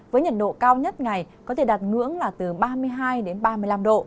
với nhiệt độ cao nhất ngày có thể đạt ngưỡng là từ ba mươi hai đến ba mươi năm độ